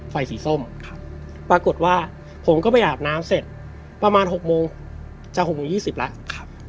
ไฟสีส้มครับปรากฏว่าผมก็ไปอาบน้ำเสร็จประมาณหกโมงจากหกโมงยี่สิบแล้วครับ